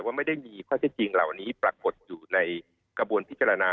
ว่าไม่ได้มีข้อเท็จจริงเหล่านี้ปรากฏอยู่ในกระบวนพิจารณา